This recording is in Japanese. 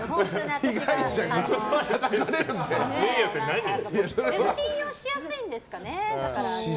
私、人を信用しやすいんですかね。